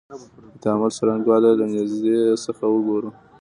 د تعامل څرنګوالی یې له نیږدې څخه وګورو.